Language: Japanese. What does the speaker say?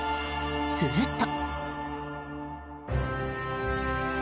すると。